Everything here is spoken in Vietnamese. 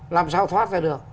làm sao thoát ra được